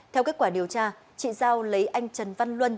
theo kết quả điều tra chị giao lấy anh trần văn luân